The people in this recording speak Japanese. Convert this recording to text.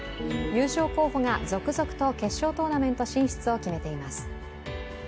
優勝候補が続々と決勝トーナメント進出を決めています。